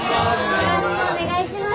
よろしくお願いします。